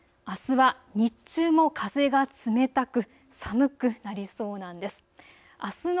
あすは日中も風が冷たく寒くなりそうです。